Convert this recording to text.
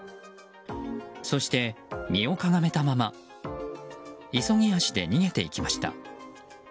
そして、身をかがめたまま急ぎ足で逃げていきました。